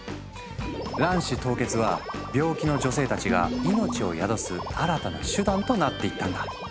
卵子凍結は病気の女性たちが命を宿す新たな手段となっていったんだ。